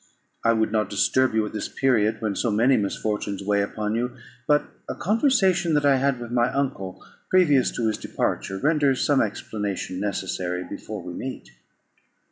I would not disturb you at this period, when so many misfortunes weigh upon you; but a conversation that I had with my uncle previous to his departure renders some explanation necessary before we meet.